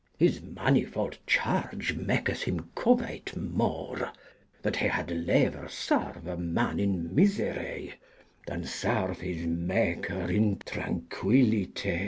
His many folde charge maketh hym coveyt more That he had lever serve a man in myserye Than serve his maker in tranquylyte.